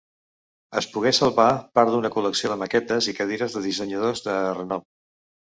Es pogué salvar part d'una col·lecció de maquetes i cadires de dissenyadors de renom.